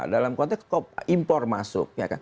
dalam konteks impor masuk